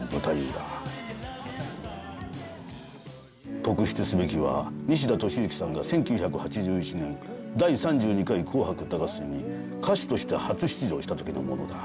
特筆すべきは西田敏行さんが１９８１年「第３２回紅白歌合戦」に歌手として初出場した時のものだ。